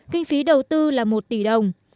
kinh phí đầu tư là một tỷ đồng